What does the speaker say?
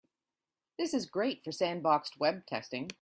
This is great for sandboxed web testing.